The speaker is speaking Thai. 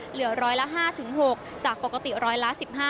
เหลือร้อยละ๕๖จากปกติร้อยละ๑๕